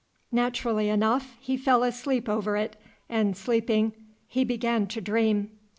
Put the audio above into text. Naturally enough, he fell asleep over it, and, sleeping, he began to dream.